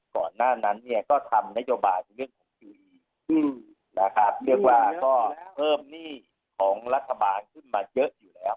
ก่อนหน้านั้นเนี่ยก็ทำนโยบายในเรื่องของคดีนะครับเรียกว่าก็เพิ่มหนี้ของรัฐบาลขึ้นมาเยอะอยู่แล้ว